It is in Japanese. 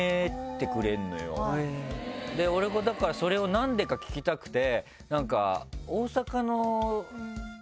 俺もだからそれをなんでか聞きたくて。